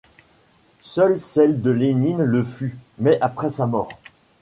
Seule celle de Lénine le fut, mais après sa mort.